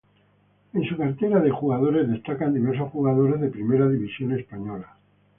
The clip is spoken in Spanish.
En su cartera de jugadores destacan diversos jugadores de primera división española.